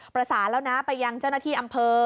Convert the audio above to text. ประสานแล้วนะไปยังเจ้าหน้าที่อำเภอ